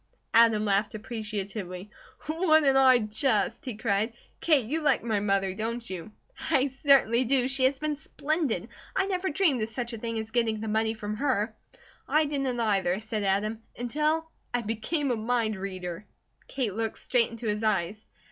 Adam laughed appreciatively. "Wouldn't I just!" he cried. "Kate, you like my mother, don't you?" "I certainly do! She has been splendid. I never dreamed of such a thing as getting the money from her." "I didn't either," said Adam, "until I became a mind reader." Kate looked straight into his eyes.